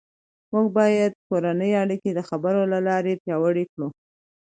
موږ باید د کورنۍ اړیکې د خبرو له لارې پیاوړې کړو